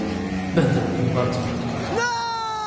Będę mówił bardzo krótko